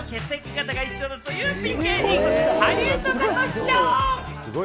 誕生日と血液型が一緒だというピン芸人・ハリウッドザコシショウ。